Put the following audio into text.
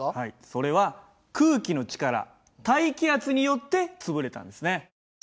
それは空気の力大気圧によって潰れたんですね。